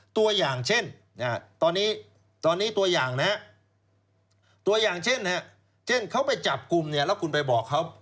ตัวอย่างเช่นเขาไปจับกลุ่มแล้วคุณไปบอกเขา